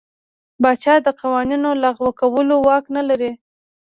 پاچا د قوانینو لغوه کولو واک نه لري.